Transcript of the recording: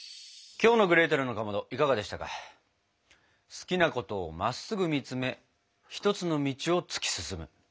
好きなことをまっすぐ見つめ一つの道を突き進む。